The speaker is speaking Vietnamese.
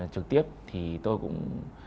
trực tiếp thì tôi cũng